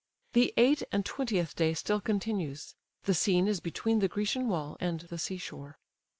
The eight and twentieth day still continues. The scene is between the Grecian wall and the sea shore.